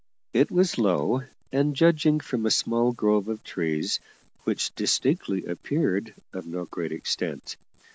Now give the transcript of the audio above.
It was low and, judging from a small grove of trees which distinctly appeared, of no great extent.